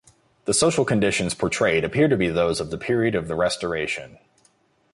The social conditions portrayed appear to be those of the period of the Restoration.